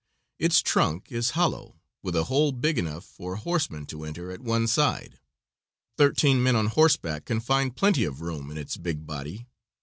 Its trunk is hollow, with a hole big enough for a horseman to enter at one side. Thirteen men on horseback can find plenty of room in its big body.